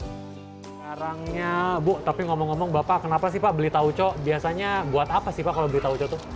sekarangnya bu tapi ngomong ngomong bapak kenapa sih pak beli tauco biasanya buat apa sih pak kalau beli tauco itu